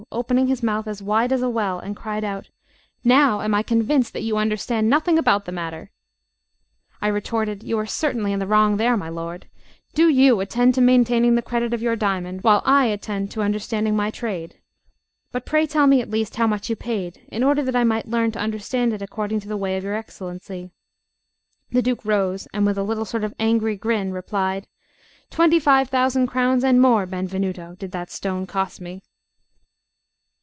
opening his mouth as wide as a well, and cried out: "Now am I convinced that you understand nothing about the matter." I retorted: "You are certainly in the wrong there, my lord. Do you attend to maintaining the credit of your diamond, while I attend to understanding my trade. But pray tell me at least how much you paid, in order that I may learn to understand it according to the way of your Excellency." The Duke rose, and, with a little sort of angry grin, replied: "Twenty five thousand crowns and more, Benvenuto, did that stone cost me!"